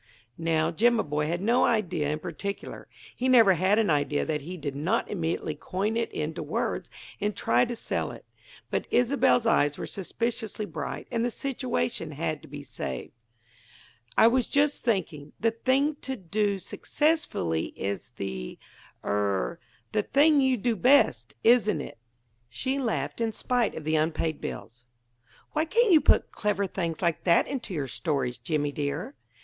Now Jimaboy had no idea in particular; he never had an idea that he did not immediately coin it into words and try to sell it. But Isobel's eyes were suspiciously bright, and the situation had to be saved. "I was just thinking: the thing to do successfully is the er the thing you do best, isn't it?" She laughed, in spite of the unpaid bills. "Why can't you put clever things like that into your stories, Jimmy, dear?"